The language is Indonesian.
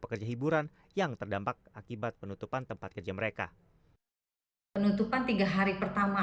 pekerja hiburan yang terdampak akibat penutupan tempat kerja mereka penutupan tiga hari pertama